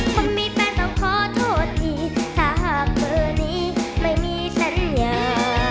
ผมมีแปลงต้องขอโทษทีถ้าหากเมื่อนี้ไม่มีสัญญาณ